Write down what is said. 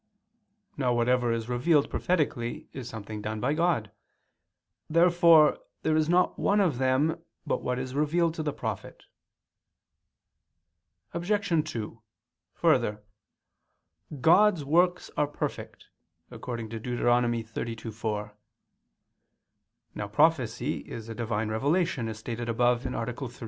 Now whatever is revealed prophetically is something done by God. Therefore there is not one of them but what is revealed to the prophet. Obj. 2: Further, "God's works are perfect" (Deut. 32:4). Now prophecy is a "Divine revelation," as stated above (A. 3).